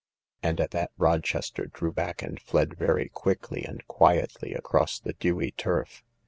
And at that Rochester drew back and fled very quickly and quietly across the dewy turf.